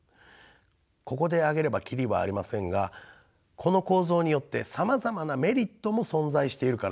ここで挙げれば切りはありませんがこの構造によってさまざまなメリットも存在しているからです。